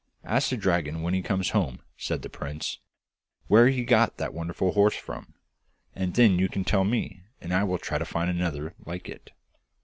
'Ask the dragon when he comes home,' said the prince, 'where he got that wonderful horse from, and then you can tell me, and I will try to find another like it.